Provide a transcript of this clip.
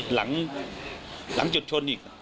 หลังจุดชนอีก